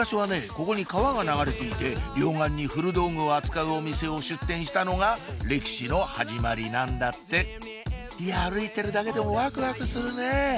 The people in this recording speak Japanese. ここに川が流れていて両岸に古道具を扱うお店を出店したのが歴史の始まりなんだっていや歩いてるだけでもワクワクするね